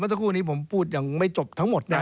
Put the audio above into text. เมื่อสักครู่นี้ผมพูดอย่างไม่จบทั้งหมดนะ